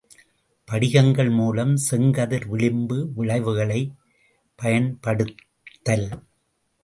படிகங்கள் மூலம் செங்கதிர் விளிம்பு விளைவுகளைப் பயன்படுத்தல்.